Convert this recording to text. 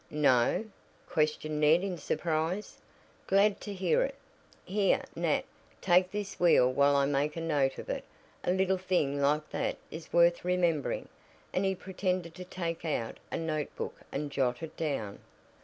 "No?" questioned Ned in surprise. "Glad to hear it. Here, Nat, take this wheel while I make a note of it. A little thing like that is worth remembering," and he pretended to take out a notebook and jot it down.